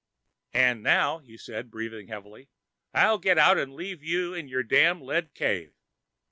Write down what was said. "And now," he said, breathing heavily, "I'll get out and leave you in your damned lead cave."